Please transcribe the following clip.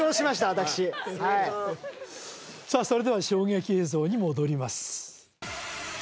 私はいさあそれでは衝撃映像に戻ります